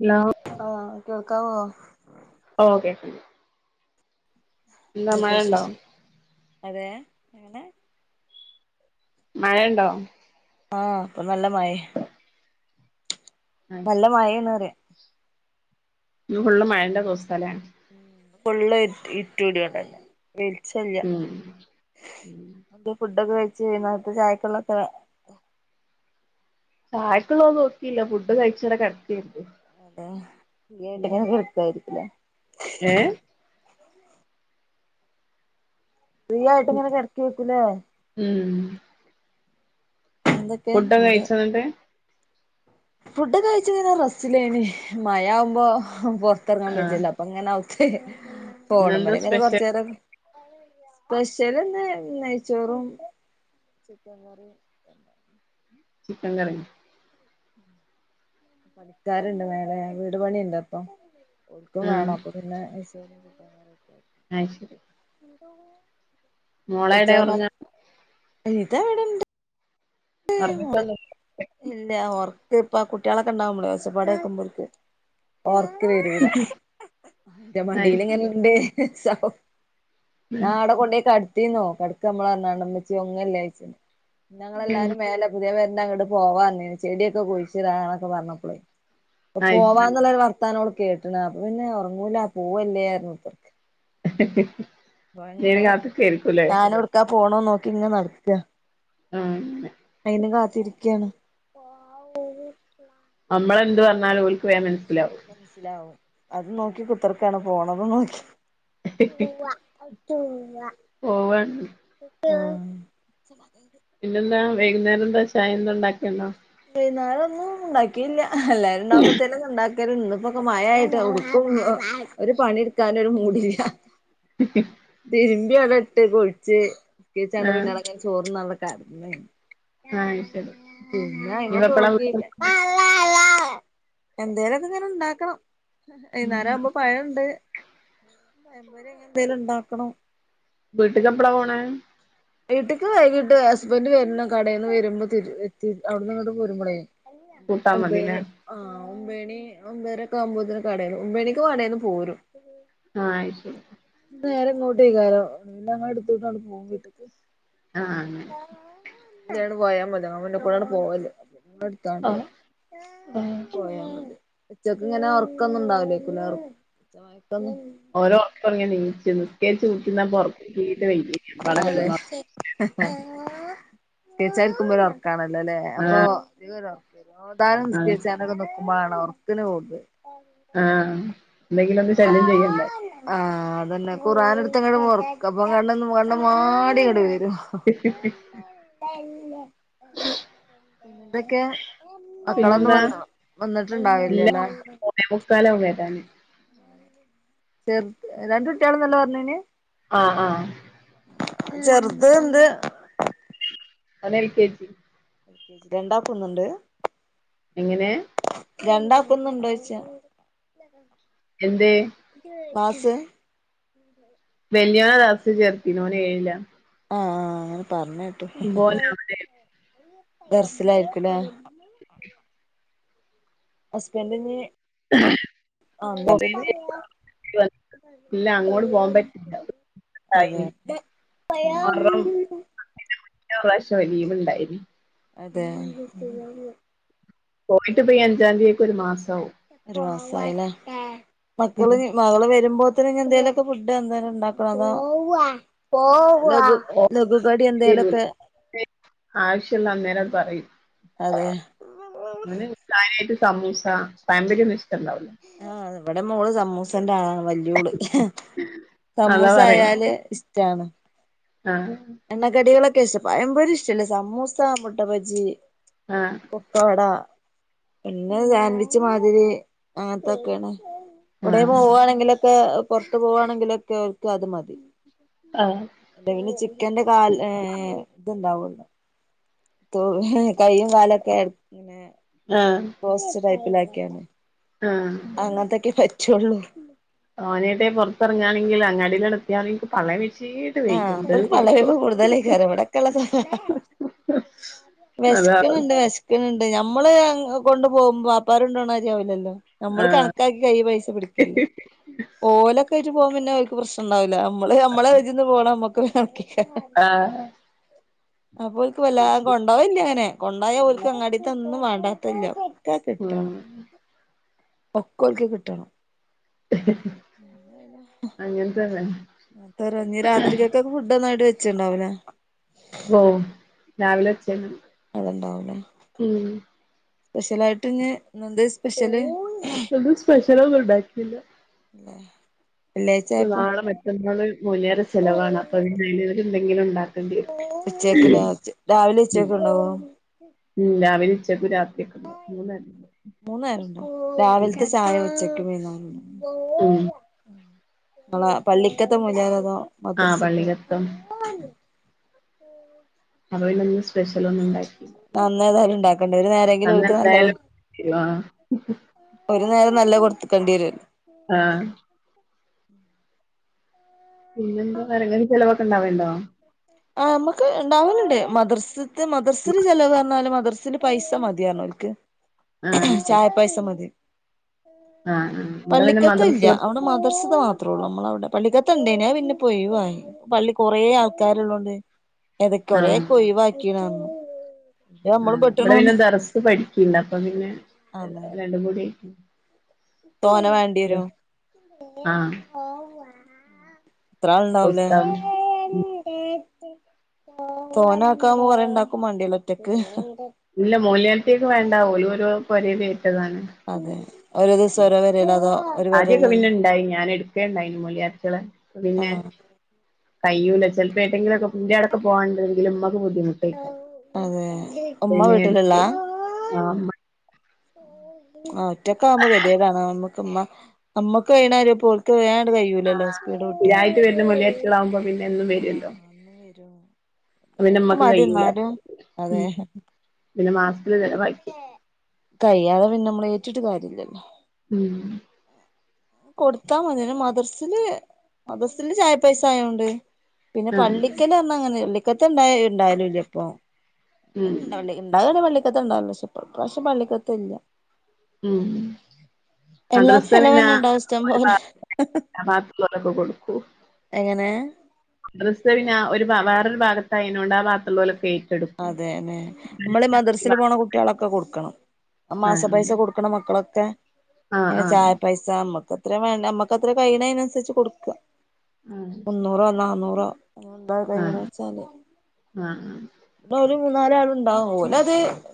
Hello ആഹ് കേൾക്കാവോ? ഓഹ് കേക്ക്ണ്ട് എന്താ എതൊക്ക മഴണ്ടോ വിശേഷം അതെ അങ്ങനെ മഴണ്ടോ? ആഹ് ഇപ്പ നല്ല മയേ ആഹ് നല്ല ശരി മഴേണ്റ്യാ ഇന്ന് ഫുള്ള് മഴന്റെ ദിവസലെ ഉം ഫുള്ള് ഇര് ഇരട്ട്ട്യോണ്ടല്ലേ വെളിച്ചല്ല്യ ഉം ഫുഡൊക്കെ കയ്ച്ചയി വൈന്നാരത്തെ ചായക്ക്ള്ളോക്കെ ചായക്കുള്ള നോക്കില്ല ഫുഡ് കഴിച്ചിടെ കെടക്കേര്ന്നു അതെ ഫ്രീ ആയിട്ട്ങ്ങനെ കെട്ക്കായിരിക്കിലേ ഏഹ് ഫ്രീ ആയിട്ട്ങ്ങനെ കെട്ക്കേയ്ക്കുലേ ഉം എന്തൊക്കെ ഫുഡക്കെ എന്ത് കഴിച്ചോ ന്നട്ട് ഫുഡ് കഴിച്ച് റസ്സിലേനി മഴ ആവുമ്പോ പെറ്ത്തറ്ങ്ങാൻ ആഹ് ബെച്ചജ്ജല്ലോ. അപ്പങ്ങനെ ഔത്ത് പോണ് ഇന്നെന്താ മ്മല് ഇങ്ങനെ സ്പെഷ്യൽ കൊറ്ച്ചേരം. സ്പെഷ്യൽന്ന് നെയ്ച്ചോറും ചിക്കൻ കറി. Chicken curry. പണിക്കാരുണ്ട് മേലെ വീട് പണിയ്ണ്ട് അപ്പൊ ഒല്ക്കും വേണം ആഹ് അപ്പൊ. പിന്നെ മെസ്സേജ് ഒക്കെ കാണാ [unintelligible] അയ് ശരി. മോളെവിടെ ഇച്ചാമൻ ഒറങ്ങാ ഇതാണ്ന്റെ. ഒറങ്ങിട്ടൊന്നുല്ല ഇല്ല ഒർക്ക് ഇപ്പ കുട്ടികളൊക്കെ ഉണ്ടാവുമ്പോളേ ഒച്ചപ്പാട് കേക്കുമ്പോക്ക്. ഓർക്ക് വരൂല ന്റെ മടീൽ അത് ഇങ്ങനെണ്ട് സൗ ആഹ് അവ്ടെ കൊണ്ടോയി കട്ത്തീന്നു കട്ക്കമ്മളാറ്ഞാണ്ട് ഇമ്മച്ചി ഒങ്ങല്ലോയ്ച്ച് ന്നാ ഉം ഇങ്ങളെല്ലാരും. മേലെ പുതിയ പെരന്റെ അങ്ങട്ട് പോവാന്ന് പർഞീനി ചെടിയൊക്കെ കുഴിച്ചിടാനാണക്കെ പറ്ഞ്ഞപ്പളേ. അപ്പ അത് ശരി പോവാന്ന്ള്ള ഒരു വർത്താനം ഓൾ കേട്ട്ണ് അപ്പൊ പിന്നെ ഒറ്ങ്ങൂല പോവല്ലേർഞുത്തർ ഹ് ഹ് ഹ് ഇജ് അയ്ന് കാത്ത്ക്കായിരിക്കൂലേ. ക്കാ പോണോം നോക്കി ഇങ്ങനെ നട്ക്കാ. ഉം. നിങ്ങളെ കാത്തിരിക്കാണ്. നമ്മള് എന്ത് പറ്ഞ്ഞാലും ഓല്ക്ക് വേം മനസ്സിലാവും. മന്സ്സിലാവും അത് നോക്കി കുത്തർക്കാണ് പോണതും നോക്കി പോവ്വാ. എത്തുല്ല. ഓവൻ. ആഹ്. ഒച്ചണ്ടാക്കര്ത്. പിന്നെന്താ വൈകുന്നേരം എന്താ ചായ എന്താണ്ടാക്ക്ണ്ടോ? വൈന്നാരന്നും ഉണ്ടാക്കില്ല എല്ലാരും ഉണ്ടാകുമ്പത്തേനും ഉണ്ടാക്കല്ണ്ട് ഇപ്പൊക്കെ മഴായിട്ട് [unintelligible] ഒരു പണിട്ക്കാനും ഒരു മൂടില്ല. ഹ് ഹ് തിര്മ്പി അവ്ടെ ഇട്ട് കുൾച്ച് നിസ്കേര്ച്ചവ്ടെ ആഹ് പിന്നെ അവ്ടങ്ങനെ ചോർന്നാതെ കട്ന്ന്. ആഹ് ശരി. ഞാൻ ഇനിപ്പ അയ്മക്ക് എപ്പളാ വീട്ട് നോക്കില്ല. പാ ല ലാ എന്തോലക്കങ്ങനെ ഇണ്ടാക്കണം വൈകുന്നേരം ആവുമ്പോ പഴംണ്ട്. പയംപൊരി അങ്ങനന്തെങ്കിലും ണ്ടാക്കണം. വീട്ട്ലെപ്പള പോണേ? വീട്ടിക്ക് വൈകിട്ട് ഹസ്ബന്റ് വരുന്ന കടയിൽന്ന് വരുമ്പോ തി എത്തി അവ്ടുന്ന് ഇങ്ങട്ട് പോരുമ്പോളേ. കൂട്ടാൻ മതില്ലേ ഒമ്പൈന്. ആഹ് ഒമ്പേണി ഒമ്പേരൊക്കെ ആകുമ്പതിന് കടേന്ന് ഒമ്പേണിക്ക് കടേന്ന് പോരും. ആഹ് അയിശരി. ന്ന് നേരെ ഇങ്ങോട്ടേകാരം ന്ന ഞങ്ങളെ എട്ത്തിട്ടാണ്ട് പോകും വീട്ട്ക്ക്. ആഹ്. ഇജാണ്ട് പോയാമതി അവനെ ക്കൂടാണ് പോകല് അ ത്താണ്ട് ആഹ് ആഹ് പോയാമതി. ഉച്ചക്ക്ങ്ങനെ ഒർക്കൊന്നും ഉണ്ടാവൂലേക്കുല്ലേ ഒർ ചായക്കെന്നും. ഒരു ഒർക്ക് ഒർങ്ങി നീച്ച്ണ്. ഒക്കെ ചൂയ്ക്കുന്ന പൊറ്ത്തീട്ട് വയ്യ വളകളും കിടന്ന തനിച്ചാരിക്കുബോൾ ഒരു ഒർക്കാണല്ലോ അല്ലേ അപ്പൊ ആഹ് ഈ ഓതാനും ആഹ് നിസ്കരിച്ചാനൊക്കെ നോക്കുമ്പോഴാണ് ഓർക്കന് പോകുന്നത് ആഹ് എന്തെങ്കിലും ഒന്ന് അതാ ശല്യം ചെയ്യണ്ടേ ആഹ് അതന്നെ ഖുർആൻ അടുത്ത്ങ്ങടി മർ അപ്പൊ കണ്ന്നും കണ് മാടി ഇങ്ങടി വരും ശ ശ [unintelligible] എന്തൊക്കെയാ മക്കളൊന്നു പിന്നെന്താ വന്നോ വന്നിട്ടുണ്ടാവില്ല ഇല്ല ല്ലേ മൂന്നേ മുക്കാൽ ആകും വരാന് ചെർ രണ്ട് കുട്ട്യാൾ ന്ന് ല്ലെ പറഞ്ജീനെ ആഹ് ആഹ് ചെറുത് ണ്ട് അവന് എൽ കെ ജി രണ്ടാക്കും ഇന്ന് ണ്ട് എങ്ങനെ രണ്ടാക്ക് ഇന്ന് ഇണ്ടോ ച്ചാ എന്തെ പാസ്‌ ആണ് വല്ല്യ നെ ദർസ് ചേർത്തിന ഓൻ ഏയില ആഹ് ആഹ് അങ്ങനെ പറഞ്ഞ കേട്ടു ഇപ്പോന് അവിടെ ദർസിലായിരിക്കുല്ലേ ഹസ്ബെന്റിന് ആഹ [unintelligible] ആഹ് ഇല്ല അങ്ങോട്ട് പോകാൻ [unintelligible] പറ്റില്ല അതെ ഉണ്ടായിനി പ്രാശ്യം ലി ഉണ്ടായിന് അതെ പോയിട്ട് പ്പം ഈ അഞ്ചാം തീയതിയക്ക ഒരു മാസമാവും ഒരുമാസായില്ലേ മക്കള് മകള് വരുമ്പോത്തന് ഇനി എന്തേലുക്കെ ഫുഡ് എന്തായാലും ഉണ്ടാക്കണം അതാ ലകു കടി എന്തേലൊക്കെ ആവശ്യള്ള അന്നേര പറിം അതെ അവന് കാര്യായിട്ട് സമൂസ പഴംപൊരി ഒന്നു ഇഷ്ടല്ല അവന് ആഹ് ഇവിടെ മോള് സമൂസന്റെ ആളാണ് വൽ അതാ സമൂസ പറയുന്നത് ആയാല് ഇഷ്ടാണ് ആഹ് എണ്ണക്കടികളൊക്കെ ഇഷ്ടം പയം പൊരി ഇഷ്ടല്ല സമൂസ മുട്ട ബജ്ജി ആഹ് പൊക്കവട പിന്നെ സാൻവിച് മാതിരി അങ്ങനത്തൊക്കെയാണ് എവടെ ആഹ് പോകുവാണെങ്കിലൊക്കെ പുറത്തു പോവാണെങ്കിലൊക്കെ അവർക്ക് അത് മതി ആഹ് എന്ത പിന്നെ ചിക്കന്റെ കാൽ ഏഹ് ഇത്ണ്ടാവുള്ളോ തൊ കയ്യും കാലൊക്കെ പിന്നെ ആഹ് റോസ്റ്റ് ടൈപ്പിലാക്കിയോ ആഹ് അങ്ങനത്തൊക്കെ പറ്റുള്ളൂ ഓന ട്ടെ പുറത്തിറങ്ങാണെങ്കിൽ അങ്ങാടിൽ അട്ത്തിയാണെ ങ്ക ഇന്ക് പള്ളെ വെയ് ച്ചീ ആ ഇപ്പൊ ഓൽക്ക് പള്ളേ പയ്പ്പ് കൂടുതലയ്ക്കാരം ഇവിടെക്കള്ളതാ അതാ വെശ്ക്ക്ണ്ണ്ണ്ട് വെശ് ണ്ട് ഞമ്മള് കൊണ്ട് പോവുമ്പോ വാപ്പാരുണ്ടോണാരിവൂലല്ലോ. നമ്മള് ആഹ് കണക്കാക്കി കയ്യിൽ പൈസ പിടിക്കല്ലേ ഓലൊക്കെ ആയിട്ട് പോകുമ്പോ പിന്നെ ഓൽക്ക് പ്രശ്നണ്ടാവൂല്ല. മ്മള് നമ്മളെ വെ മ്മക്ക് കണക്കയ്ക്കാരം ആഹ് അപ്പൊ ഓൽക്ക് വല്ലാ കൊണ്ട് കൊണ്ടോവെല്ലി അങ്ങനെ കൊണ്ടോയ ഓല്ക്ക് അങ്ങാടീത്തെ ഒന്നും വേണ്ടാത്തല്ല ഒക്കെ കിട്ടണം ഉം ഒക്കെ ഓൽക്ക് കിട്ടണം. അങ്ങന് തന്നെ ഞ്ഞ് രാത്രിക്കക്ക് ഫുഡ് ഒന്നായിട്ട് വച്ചിണ്ടാവുല്ലേ? ഓ രാവിലെ വെച്ച്ണ്. അത്ണ്ടാവുല്ലേ സ്പെഷ്യലായിട്ട് ഞ്ഞ് ഇന്നെന്തേനി സ്പെഷ്യല്? ഇന്ന് സ്പഷ്യലൊന്നും ഉണ്ടാക്കീല്ല. തന്നെ നാളെ മറ്റന്നാള് മോല്യാരെ ചെലവാണ് അപ്പൊ അതിൽ എന്തെങ്കിലും ഉണ്ടാക്ക ഉച്ചേക്കല്ലേ [unintelligible] രാവിലെ ഉച്ചക്കും ഉണ്ടാവോ? ഇല്ല ഉച്ചക്കും രാത്രിയൊക്ക ഉണ്ടാവും മൂന്ന് നേരം ഉണ്ടാവും മൂന്നേരം ഇണ്ട് ഉം രാവിലത്തെ ചായ ഉച്ചക്ക്, വൈന്നാരം ഉം മ്മളെ പള്ളിക്കത്തെ മൊല്യാര്അതോ ആ പള്ളിക്കത്തും അപ്പൊ പിന്നെ ഇന്ന് സ്പെഷ്യലൊന്നും ഉണ്ടാക്കിയില്ല ആ ഇന്നാതായാലും ഇണ്ടാക്കണ്ടേ ഒരു നേരെങ്കിലും അന്ന് ഓൽക്ക് നല്ല എന്തായാലും ആഹ് ഒരു നേരം നല്ലത് കൊടുത്തക്കേണ്ടി വരല്ലോ ആഹ് പിന്നെന്താ പറിണേ ന് ചെലവൊക്കെണ്ടാവേണ്ടോ? ആ മ്മക്ക് ഇണ്ടാവല്ണ്ട് മദർസ്ത്തെ മദർസിൽ ചെലവ് പറഞ്ഞാല് മദർസിൽ പൈസ മതിന്നർഞ്ഞോൽക്ക് ആഹ് ചായ പൈസ മതി. ആ ഉം പള്ളിക്കത്തെ ഇല്ല അവിടെ മദർസ്ത്തെ മാത്രം. നമ്മളവിടെ പള്ളിക്കത്ത ഇണ്ടേയ്നി അത് പിന്നെപ്പോ യിവായി പള്ളി കൊറെ ആൾക്കാര്ള്ളോണ്ടെ ഏതൊക്കെ ആഹ് കൊറെക്കെ ഒഴിവാക്കിണർഞ്ഞു ആ ഇവിടെ പിന്നെ ദറസ് പഠിക്ക്ണ്ട് അപ്പൊ പിന്നെ അതെ രണ്ടും കൂടി തോനെ വേണ് ഹലോ? ആ അപ്പൊ എത്രാള്ണ്ടാവൂലെ? ഉസ്താദും തോനെ ആക്കാവുമ്പോ കുറെ ണ്ടാക്കും മാണ്ട്യരൂല്ലേ ഒറ്റക്ക്? ഇല്ല മൊല്യാരുട്ട്യാൾക്ക് വേണ്ട ഓലോരോ പോരേൽ ഏറ്റതാണ്. അതെ ഓരോ ദിവസം ഓരോ പെരേലോ അതോ ഒരു ആദ്യക്കെ പിന്നെ പെരേലന്നെ ഇണ്ടായിനി ഞാൻ എട്ക്കേണ്ടായിനി മോല്യായാരുട്ടിളെ ഇപ്പേ പിന്നെ ആഹ് കയ്യൂല്ല ചെലപ്പോ ഏട്ടങ്കിലൊക്കെ ഇന്റാടൊക്കെ പോകാണ്ടെങ്കിൽ ഉമ്മക്ക് ബുദ്ധിമുട്ട് അതെ ഉമ്മ എടുക്കെ വീട്ടില്ള്ളാ? [unintelligible] ആ ഒറ്റക്കാവുമ്പോ കത്യാടാണ് നമ്മക്ക് മ്മ നമ്മക്ക് കഴിണാതിരി പ്പോൽക്ക് വേണ്ട് കഴിയൂലല്ലോ സ്പീഡ് കൂട്ടി സ്തീരായിട്ട് വരുന്ന മെല്യായാരുട്ടയാളാവുമ്പോ പിന്നെ എന്നും വരുല്ലോ? [unintelligible] ക്ക് മടിയാ കയ്യൂല ന്നാലും അതെ ഉം പിന്നെ മാസത്തില് ചെലവാക്കി കയ്യാതെ പിന്നെ നമ്മളേറ്റിട്ട് കാര്യല്ലല്ലോ ഉം കൊടുത്താ മതിയ്ന് മദർസില് മദർസില് ചായ പൈസ ആയോണ്ട് പിന്നെ ആഹ് പള്ളിക്കൽന്ന് പറഞ്ഞ അങ്ങനെ [unintelligible] ഉണ്ടായാലും ഇല്ലാ ഇപ്പൊ അതിനു ഉം ഉണ്ടാവണ്ടേ. ഇണ്ടായ ഇവിടെ പള്ളി ക്കത്ത് ഉണ്ടാവും. പക്ഷെ പ്ര ഇപ്രാവശ്യം പള്ളിക്കത്ത് ഇല്ല. ഉം എല്ലാത്തിനും മദ്രസത്ത് ചെലവ് പിന്ന തന്നെ ഉണ്ടാവും ഇഷ്ടം ഒരുപാ. പോലെ [unintelligible] [unintelligible] കൊടുക്കും എങ്ങനെ ഡ്രസ് പിന്നെ ഒരു ഭാ വേറൊരു ഭാഗത്തായിനോണ്ട് ആ ഭാഗത്ത്‌ ഉള്ളോലോക്കേ അതേല്ലേ നമ്മള് ഈ മദ്രസേല് പോണ കുട്ട്യാളോക്കെ കൊടുക്കണം ആ മാസ പൈസ കൊടു [unintelligible] മക്കളൊക്കെ ആ ഇങ്ങനെ ആ ആ ചായ പൈസ് ചാ നമ്മക്കത്ര വേണ്ട നമ്മക്ക അത്ര കഴണ് അതിനനുസരിച്ച് കൊടുക്കുക. മുന്നൂറോ നാന്നൂറോ എന്താ കഴിയാണെ വെച്ചാല് ആഹ് ആഹ് ഇപ്പൊ ഒരു മൂന്നാല് ആളുണ്ടാവും ഓല് അത്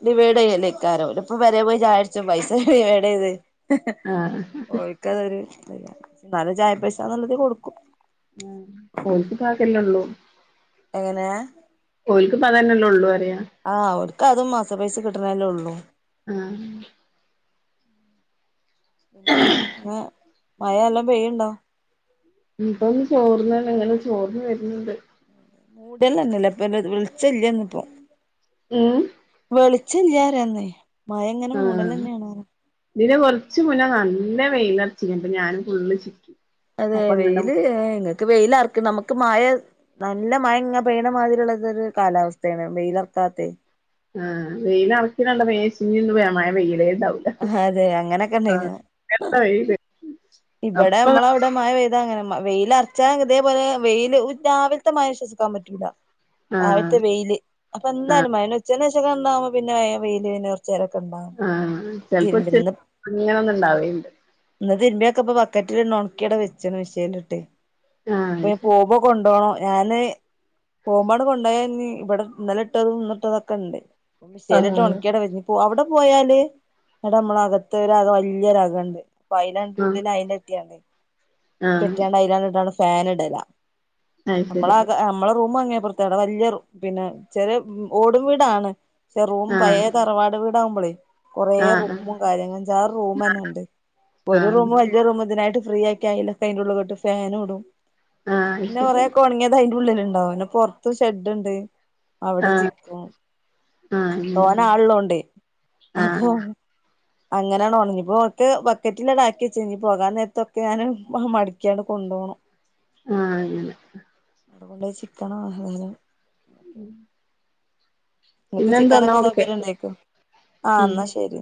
ഡിവൈഡ് ചെയ്യല്ല് ഇക്കാരാ പോലും ഇപ്പൊ പെരേ പോയി ചായ കുടിച്ചു പൈസ ഡിവൈഡ് ചെയ്ത് ആഹ് [unintelligible] എന്നാലും ചായ പൈസ ഒള്ള ഇതീൽ കൊടുക്കും. ഉം ഓല്ക്ക്പ്പോ അതൊക്കെല്ലേ ഒള്ളൂ. എങ്ങനെ. ഓല്ക്ക്പ്പ അതന്നെല്ലേ ഉള്ളൂ പറിയ. ആഹ് ഓൽക്ക് അതും മാസ പൈസ കിട്ട്ണ് അല്ലെ ഒള്ളൂ. ആഹ് പിന്നെ മഴ ന്നല്ലാം പെയ്യുണ്ടോ? ഇപ്പൊന്ന് ചോർന്ണ് ഇങ്ങനെ ചോർന് വര്ന്ണ്ട്. [unintelligible] പ്പ വെളിച്ചല്യ ഇന്ന് ഇപ്പൊ ഉം വെളിച്ചം ഇല്ലാ പറയുന്നു മഴ ഇങ്ങനെ മൂടല് തഞ്ഞേണ് പറ ഇതി കുറച്ചു മുന്നേ നല്ല വെയിയിലർച് അപ്പൊ ഞാനും ഫുള്ള് ചിക്കി. അതെ അപ്പൊ ഇങ്ങടെ വെയില് ഏഹ് നിങ്ങക്ക് വെയില് ആർക്കും നമ്മക്ക് മഴെ നല്ല മയ പെയ്യ്ണമാതിരി ഉള്ളതൊരു കാലാവസ്ഥയാണ് വെയിലർക്കാത്തെ. ആ വെയല് അറിക്ക്ണത് കണ്ടപ്പോ ഞാൻ വിചാരിച്ച് ഇന്ന് ഇഞ് മയ പെയ്യല്. അതെ അങ്ങനെക്കെ ഉണ്ടായിനോ എന്ത്ര വെയില് ഇവടെ അപ്പ അമ്മള അവ് [unintelligible] മായ പെയ്ത അങ്ങനെ വെയിൽ അറച്ചാ ഇതേപോലെ വെയില് ഉ രാവിലത്തെ മഴ വിശ്വസിക്കാൻ പറ്റൂല. താഴത്തു ആഹ് വെയില് അപ്പൊ ആഹ് എന്തായാലും മഴന്നാ ഉച്ചേന് ശേഷം [unintelligible] പിന്നെ വേ വെയില് പിന്നെ ചേരക്കെ ഉണ്ടാവും ആഹ് ചെലപ്പോ ഉച്ച തിരുമ്പന്ന്. [unintelligible] ഇന്ന് തിരുമ്പിയാക്കിയപ്പ ബക്കറ്റില് ഒണക്കി അവിടെ വെച്ചു മേശേലൊട്ടേ ആഹ് ഇഞ്ഞിപ്പ പോവുമ്പോ കൊണ്ടോണം ഞാന്. പോകുമ്പാട് കൊണ്ടോയാ ഇഞ്ഞി ഇവിടെ ഇന്നലെ ഇട്ടതും ഇന്ന് ഇട്ടതെക്കെ ഇണ്ട്. മെഷീനിൽ ഇട്ട് അത് ഒണക്കി അവിടെ അവിടെ പോയാല് എടെ നമ്മള അകത് ഒര്ക വലിയ ഒരകണ്ട്. അപ്പൊ റൂമിലാണ്ട് അയില് കെട്ടിയാമതി കെട്ടിയാണ്ട് അതിലാണ്ട് ഫാൻ ഇടലാ നമ്മള ശരി നമ്മളെ റൂം അങ്ങിയപോർത്. വല്യ റും പിന്നെ ചെറി ഓടും വീടാണ് ക്ഷെ റൂമ് പയെ ആഹ് തറവാട് വീട്. [unintelligible] കൊറേ ആഹ് റൂമും കാര്യങ്ങളും അഞ്ചാറു റൂമ് തന്നെ ഉണ്ട്. ഒരു റൂം ആഹ് വല്യ റൂം ഇതിനായിട്ട് ഫ്രീ ആക്കി ആയിലെക്ക അയിന്റെ ഉള്ളിൽ കെട്ടും ഫാനും ഇടും അയിന്റെ ഉള്ളിൽ ഫാൻ ഇടും. അത് പിന്നെ കൊറേ ശരി ക്കേ ഒണങ്ങിയത് അതിന്റെ ഉള്ളില് ഇണ്ടാവും പിന്നെ പൊറത്ത് ഷെഡ്ണ്ട്. അവിട ആഹ് ജിക്കും ആഹ് ആഹ് ആഹ് ആഹ് അത് ശരി ആഹ് ആഹ് അങ്ങനെ തോന ആള് ഇള്ളോണ്ടേ ആഹ് അപ്പൊ അങ്ങനാണ് ഒണങ്ങി ഇനീപ്പോ ഓർക്ക് പത് ബക്കറ്റിലെ ആക്കി വച്ച്ക്ണ് ഇഞ് പോകാൻ നേരത്തൊക്കെ ഞാന് മടിക്കാണ്ട് കൊണ്ടോണം. ആഹ് അങ്ങനെ. അതുകൊണ്ട് ചിക്കനോ എന്തേലും.. ഉം നിങ്ങക്ക് ചിക്കനൊക്കെ ഓക്കെ സൗകര്യം ഉണ്ടായിക്കോ ആഹ് ഉം ന്നാ ശരി